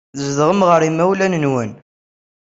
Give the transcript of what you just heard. Tzedɣem ɣer yimawlan-nwen.